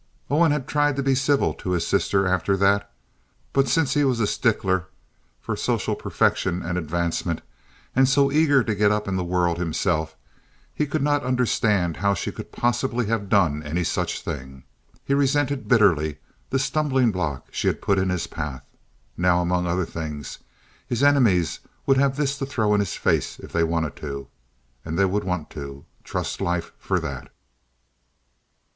Owen had tried to be civil to his sister after that, but since he was a stickler for social perfection and advancement, and so eager to get up in the world himself, he could not understand how she could possibly have done any such thing. He resented bitterly the stumbling block she had put in his path. Now, among other things, his enemies would have this to throw in his face if they wanted to—and they would want to, trust life for that.